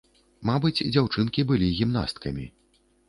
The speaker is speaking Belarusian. Мабыць, дзяўчынкі былі гімнасткамі.